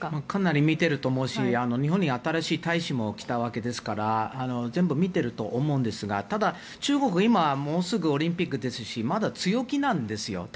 かなり見てると思うし日本に新しい大使も来たわけですから全部見ていると思うんですがただ中国、今もうすぐオリンピックですしまだ強気なんですよ。